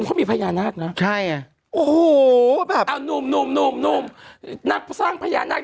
นักสร้างพญานาทนักเอาไปสร้างพญานาท